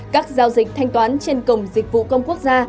các giao dịch thanh toán trên cổng dịch vụ công quốc gia